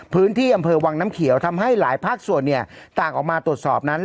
พื้นที่อำเภอวังน้ำเขียวทำให้หลายภาคส่วนต่างออกมาตรวจสอบนั้น